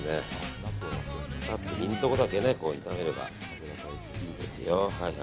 実のところだけ炒めればいいですよ。